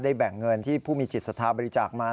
ได้แบ่งเงินที่ผู้มีจิตสาธารณ์บริจาคมา